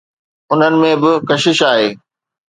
انهن ۾ به ڪشش آهي.